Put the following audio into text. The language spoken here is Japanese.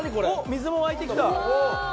水も湧いてきた。